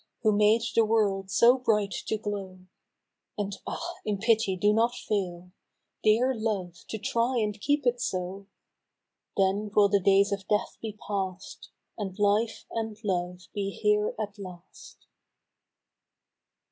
Who made the world so bright to glow, And ah ! in pity do not fail Dear Love, to try and keep it so ! Then will the days of Death be past. And Life and Love be here at last